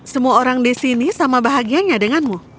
semua orang disini sama bahagianya denganmu